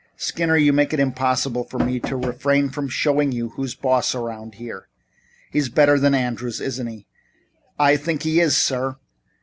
"Skinner, you make it impossible for me to refrain from showing you who's boss around here. He's better than Andrews, isn't he?" "I think he is, sir."